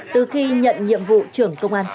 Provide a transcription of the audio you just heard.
từ khi nhận nhiệm vụ trưởng công an xã